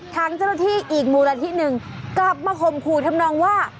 ทางเจ้าหน้าที่อีกมูลนิธิหนึ่งกลับมาข่มขู่ทำนองว่า